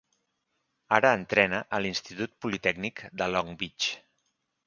Ara entrena a l'Institut Politècnic de Long Beach.